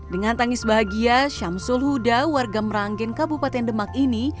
dengan tangis bahagia syamsul huda warga meranggen kabupaten demak ini